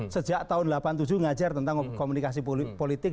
sejak tahun seribu sembilan ratus delapan puluh tujuh mengajar tentang komunikasi politik